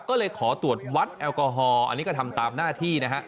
ก็เลยขอตรวจวัดแอลกอฮอลอันนี้ก็ทำตามหน้าที่นะฮะ